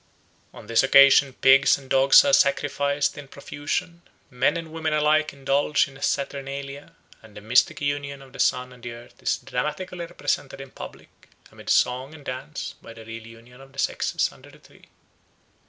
On this occasion pigs and dogs are sacrificed in profusion; men and women alike indulge in a saturnalia; and the mystic union of the sun and the earth is dramatically represented in public, amid song and dance, by the real union of the sexes under the tree.